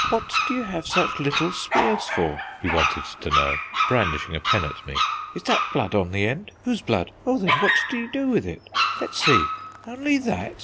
"What do you have such little spears for?" he wanted to know, brandishing a pen at me. "Is that blood on the end? whose blood? Well then, what do you do with it? Let's see only that?"